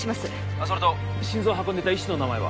☎あっそれと心臓運んでた医師の名前は？